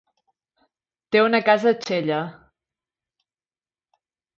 Té una casa a Xella.